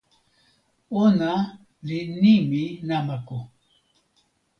ona li nimi namako.